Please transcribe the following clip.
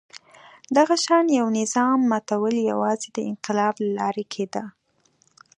دغه شان یوه نظام ماتول یوازې د انقلاب له لارې کېده.